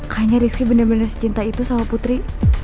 kayaknya rizky bener bener secinta itu sama putri